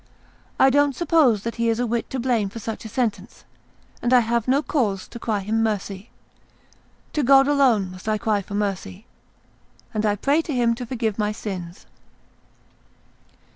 I don't suppose that he is a whit to blame for such a sentence, and I have no cause to cry him mercy. To God alone must I cry for mercy, and I pray Him to forgive my sins."